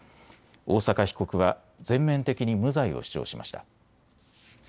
大坂被告は全面的に無罪を主張しました。